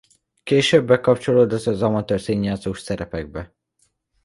Később bekapcsolódott az amatőr színjátszó szerepekbe.